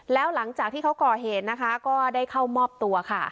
แล้วหลังจากที่เขาก่อเหตุนะคะก็ได้เข้ามอบตัวค่ะ